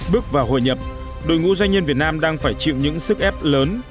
bước vào hồi nhập đội ngũ doanh nhân việt nam đang phải chịu những sức ép lớn